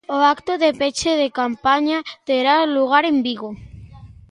O acto de peche de campaña terás lugar en Vigo.